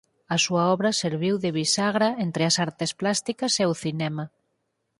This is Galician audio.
A súa obra serviu de bisagra entre as artes plásticas e o cinema.